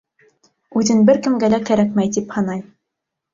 Үҙен бер кемгә лә кәрәкмәй тип һанай.